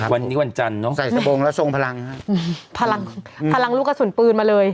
วันนี้วันจันทร์เนอะใส่สโปรงแล้วทรงพลังพลังลูกกระสุนปืนมาเลย